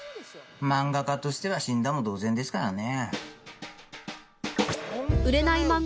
漫画家としては死んだも同然ですからね。